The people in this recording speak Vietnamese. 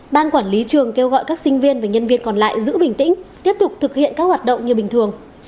ban quản lý trường kêu gọi các sinh viên và nhân viên còn lại giữ bình tĩnh tiếp tục thực hiện các hoạt động như bình thường